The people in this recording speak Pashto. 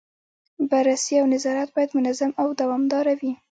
بررسي او نظارت باید منظم او دوامداره وي.